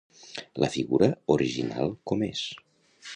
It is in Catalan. La figura original com és?